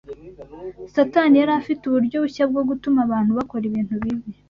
Satani yari afite uburyo bushya bwo gutuma abantu bakora ibintu bibi